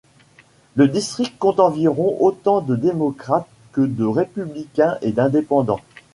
Le district compte environ autant de démocrates que de républicains et d'indépendants.